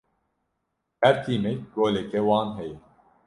Her tîmek goleka wan heye.